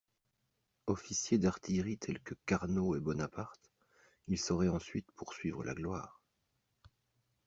Officier d'artillerie tel que Carnot et Bonaparte, il saurait ensuite poursuivre la gloire.